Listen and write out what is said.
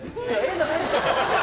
じゃないですよ。